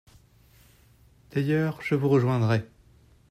D'ailleurs, je vous rejoindrai.